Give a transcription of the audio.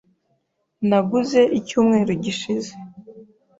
Naguze icyumweru gishize.